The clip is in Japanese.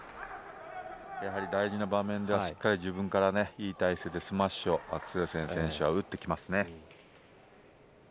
やはり大事な場面ではしっかりと自分からいい体勢でスマッシュをアクセルセン選手が打ってきますね。